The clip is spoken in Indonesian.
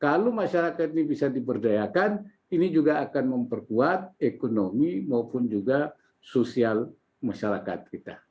kalau masyarakat ini bisa diberdayakan ini juga akan memperkuat ekonomi maupun juga sosial masyarakat kita